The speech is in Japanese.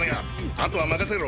あとは任せろ。